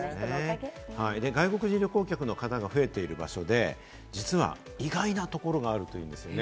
外国人旅行客の方が増えている場所で、実は意外なところがあるというんですよね。